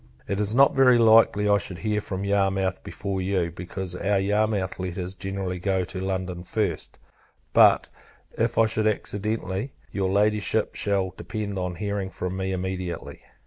It is not very likely I should hear from Yarmouth before you, because our Yarmouth letters generally go to London first; but if I should, accidentally, your Ladyship shall depend on hearing from me immediately.